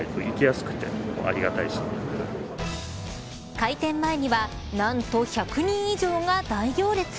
開店前には何と１００人以上が大行列。